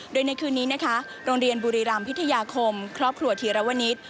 โดยในคืนนี้นะคะโรงเรียนบุรีรำพิทยาคมครอบครัวธีรวนิต